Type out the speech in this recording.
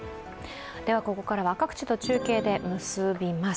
ここからは各地と中継で結びます。